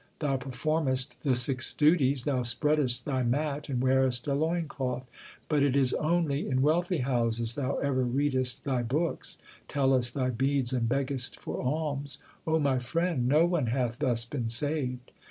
Thou performest the six duties, thou spreadest thy mat and wearest a loin cloth ; But it is only in wealthy houses thou ever readest thy books, Tellest thy beads and beggest for alms my friend, no one hath thus been saved.